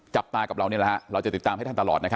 จับตากับเรานี่เราจะติดตามให้ท่านตลอด